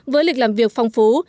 với lịch làm việc phong phú